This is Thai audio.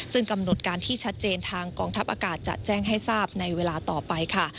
ซึ่งกำหนดการที่ชัดเจนทางกองทัพอากาศจะแจ้งให้ทราบในเวลาต่อไปค่ะ